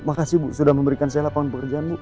makasih bu sudah memberikan saya lapangan pekerjaan bu